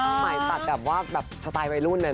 ภาษณ์ใหม่ตัดแบบว่าแบบสไตล์ใบรุ่นเลยนะ